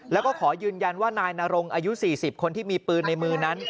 แล้วก็ขอยืนยันว่านายนรงอายุ๔๐คนที่มีปืนในมือนั้น